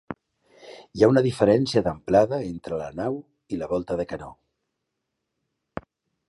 Hi ha una diferència d'amplada entre la nau i la volta de canó.